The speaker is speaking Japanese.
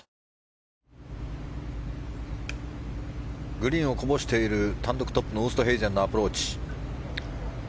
グリーンをこぼしている単独トップのウーストヘイゼンのアプローチ。